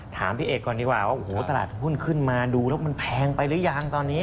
ถามพี่เอกก่อนดีกว่าว่าโอ้โหตลาดหุ้นขึ้นมาดูแล้วมันแพงไปหรือยังตอนนี้